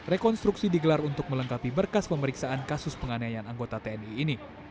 rekonstruksi digelar untuk melengkapi berkas pemeriksaan kasus penganaian anggota tni ini